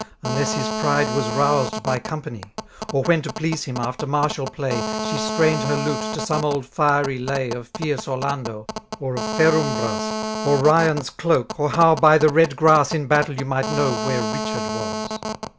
Unless his pride was roused by company; Or when to please him, after martial play, Sh^ strained her lute to some old fiery lay Of fierce Orlando, or of Ferumbras, Or Ryan's cloak, or how by the red grass In battle you might know where Richard was.